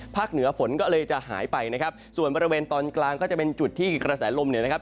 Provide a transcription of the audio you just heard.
เหนือฝนก็เลยจะหายไปนะครับส่วนบริเวณตอนกลางก็จะเป็นจุดที่กระแสลมเนี่ยนะครับ